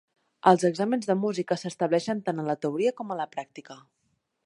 Els exàmens de música s'estableixen tant en la teoria com a la pràctica.